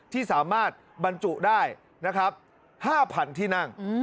ที่สามารถบรรจุได้นะครับ๕๐๐๐ที่นั่ง